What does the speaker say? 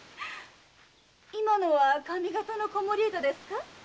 今のは上方の子守歌ですか？